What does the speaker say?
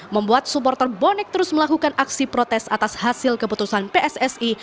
membuat supporter bonek terus melakukan aksi protes atas hasil keputusan pssi